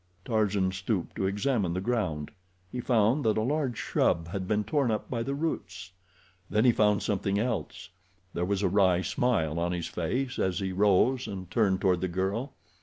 Tarzan stooped to examine the ground. He found that a large shrub had been torn up by the roots. Then he found something else. There was a wry smile on his face as he rose and turned toward the girl.